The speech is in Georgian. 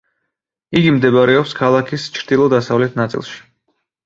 იგი მდებარეობს ქალაქის ჩრდილო-დასავლეთ ნაწილში.